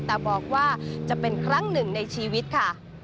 แต่บอกว่าจะเป็นครั้งหนึ่งในชีวิตค่ะ